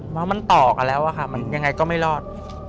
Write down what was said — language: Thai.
แล้วมันต่อกันแล้วอะค่ะมันยังไงก็ไม่รอด